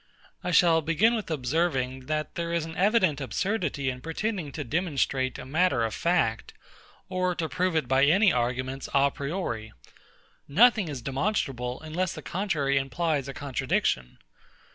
I shall begin with observing, that there is an evident absurdity in pretending to demonstrate a matter of fact, or to prove it by any arguments a priori. Nothing is demonstrable, unless the contrary implies a contradiction.